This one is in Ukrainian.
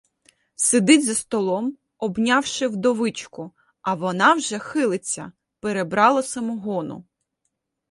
Сидить за столом, обнявши вдовичку, а вона вже хилиться — перебрала самогону.